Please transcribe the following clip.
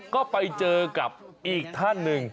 ก็ไปเจอกับอีกท่านหนึ่ง